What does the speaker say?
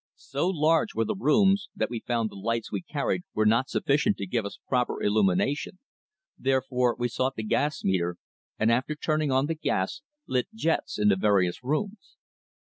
So large were the rooms that we found the lights we carried were not sufficient to give us proper illumination, therefore we sought the gas meter, and after turning on the gas, lit jets in the various rooms.